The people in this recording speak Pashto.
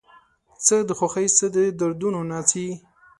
څه د خوښۍ څه د دردونو ناڅي